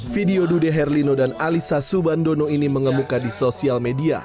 video dude herlino dan alisa subandono ini mengemuka di sosial media